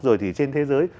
rồi thì trên thế giới